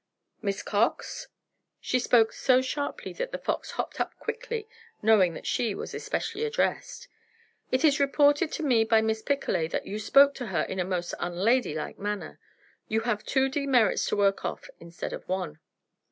"Miss Cox!" She spoke so sharply that The Fox hopped up quickly, knowing that she was especially addressed. "It is reported to me by Miss Picolet that you spoke to her in a most unladylike manner. You have two demerits to work off, instead of one."